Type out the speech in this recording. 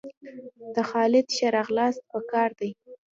د خالد ښه راغلاست په کار دئ!